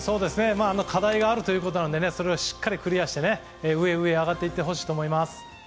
課題があるということなのでそれをしっかりクリアして上へ上がってほしいと思います。